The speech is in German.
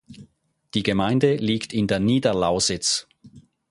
Die Gemeinde liegt in der Niederlausitz.